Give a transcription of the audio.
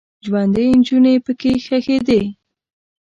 ژوندۍ نجونې پکې ښخیدې.